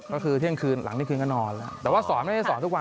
เอาจริงงานเยอะมาก